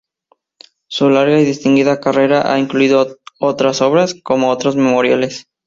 Su larga y distinguida carrera ha incluido otras obras, como otros memoriales.